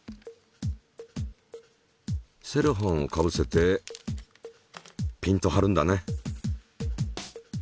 セロハンをかぶせてピンと張るんだね。